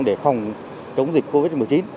để phòng chống dịch covid một mươi chín